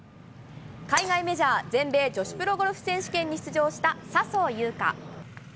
海外メジャー、全米女子プロゴルフ選手権に出場した出場した笹生優花。